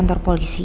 wah darah contacted